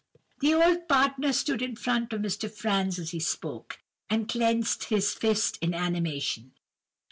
"The old partner stood in front of Mr. Franz as he spoke, and clenched his fist in animation.